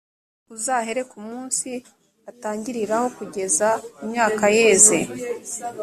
uzahere ku munsi batangiriraho kugeza imyaka yeze,